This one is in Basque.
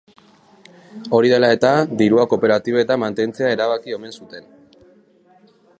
Hori dela eta, dirua kooperatibetan mantentzea erabaki omen zuten.